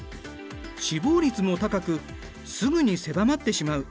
死亡率も高くすぐに狭まってしまう。